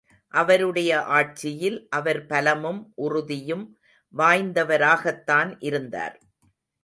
அவருடைய ஆட்சியில் அவர் பலமும் உறுதியும் வாய்ந்தவராகத்தான் இருந்தார்.